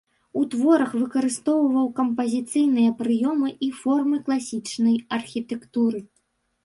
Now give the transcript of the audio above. У творах выкарыстоўваў кампазіцыйныя прыёмы і формы класічнай архітэктуры.